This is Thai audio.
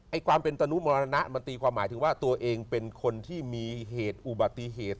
ความเป็นตนุมรณะมันตีความหมายถึงว่าตัวเองเป็นคนที่มีเหตุอุบัติเหตุ